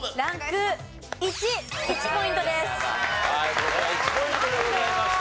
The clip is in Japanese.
これは１ポイントでございました。